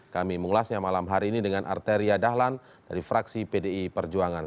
kami mengulasnya malam hari ini dengan arteria dahlan dari fraksi pdi perjuangan